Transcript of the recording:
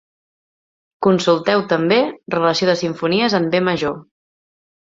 Consulteu també: relació de simfonies en B major.